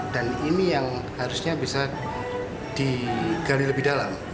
dan ini yang harusnya bisa digali lebih dalam